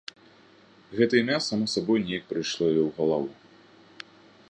Гэта імя само сабой неяк прыйшло ёй у галаву.